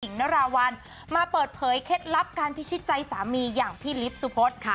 นราวัลมาเปิดเผยเคล็ดลับการพิชิตใจสามีอย่างพี่ลิฟต์สุพธค่ะ